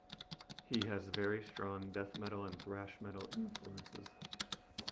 He has very strong death metal and thrash metal influences.